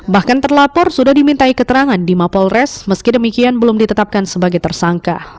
bahkan terlapor sudah dimintai keterangan di mapolres meski demikian belum ditetapkan sebagai tersangka